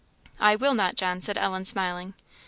"I will not, John," said Ellen, smiling.